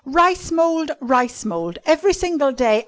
"Rice mould! Rice mould! every single day.